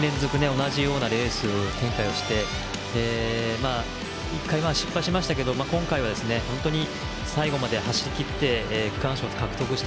同じようなレース展開をして１回、失敗はしましたが今回は本当に最後まで走りきって区間賞を獲得した。